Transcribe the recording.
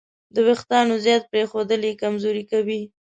د وېښتیانو زیات پرېښودل یې کمزوري کوي.